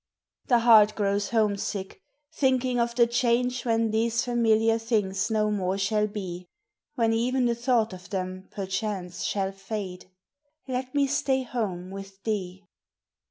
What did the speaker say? The heart grows homesick, thinking of the change When these familiar things no more shall be; When e'en the thought of them, perchance, shall fade, Let me stay home with thee.